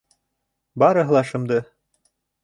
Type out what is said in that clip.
Барыһы ла шымды.